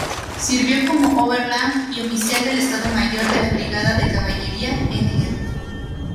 Sirvió como Oberleutnant y Oficial del Estado Mayor de la Brigada de Caballería Nr.